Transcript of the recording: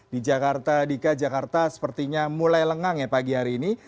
di jakarta di k jakarta sepertinya mulai lengang ya pagi hari ini